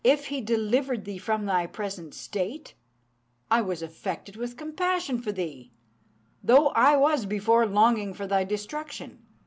if He delivered thee from thy present state, I was affected with compassion for thee, though I was before longing for thy destruction.